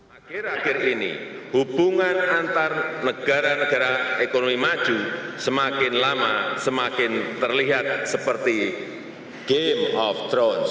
akhir akhir ini hubungan antar negara negara ekonomi maju semakin lama semakin terlihat seperti game of thrones